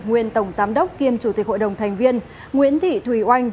nguyên tổng giám đốc kiêm chủ tịch hội đồng thành viên nguyễn thị thùy oanh